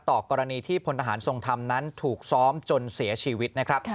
กรณีที่พลทหารทรงธรรมนั้นถูกซ้อมจนเสียชีวิตนะครับ